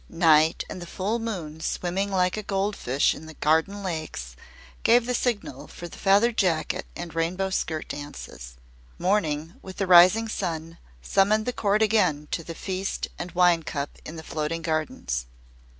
Night, and the full moon swimming like a gold fish in the garden lakes, gave the signal for the Feather Jacket and Rainbow Skirt dances. Morning, with the rising sun, summoned the court again to the feast and wine cup in the floating gardens.